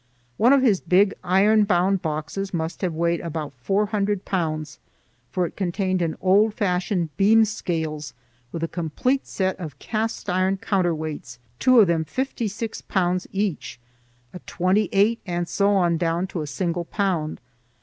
One of his big iron bound boxes must have weighed about four hundred pounds, for it contained an old fashioned beam scales with a complete set of cast iron counterweights, two of them fifty six pounds each, a twenty eight, and so on down to a single pound.